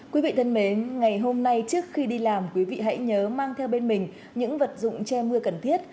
quý vị thân mến ngày hôm nay trước khi đi làm quý vị hãy nhớ mang theo bên mình những vật dụng che mưa cần thiết